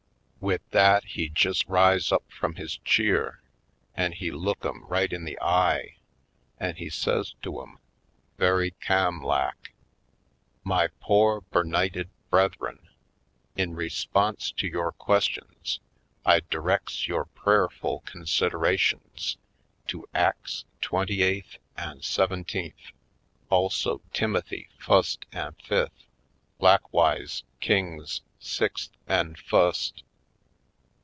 Wid that he jest rise up frum his cheer an' he look 'em right in the eye an' he say to 'em, very ca'm lak: 'My pore bernighted brethren, in re sponse to yore questions I directs yore prayerful considerations to Acts twenty eighth an' seventeenth, also Timothy fust an' fifth, lakwise Kings sixth an' fust.